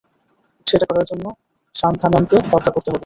সেটা করার জন্য সান্থানামকে হত্যা করতে হবে।